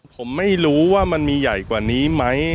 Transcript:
ผมไม่รู้ว่ามันมีใหญ่กว่านี้ไหม